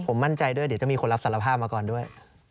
ผมมั่นใจด้วยเดี๋ยวจะมีคนรับสารภาพมาก่อนด้วย